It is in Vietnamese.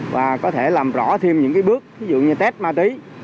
và có thể làm rõ thêm những cái bước ví dụ như test ma tí